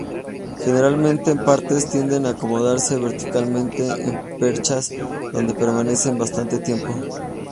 Generalmente en pares, tienden a acomodarse verticalmente en perchas, donde permanecen bastante tiempo.